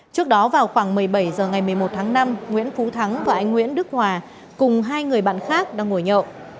trước đó vào khoảng một mươi bảy h ngày một mươi một tháng năm nguyễn phú thắng và anh nguyễn đức hòa cùng hai người bạn khác đang ngồi nhậu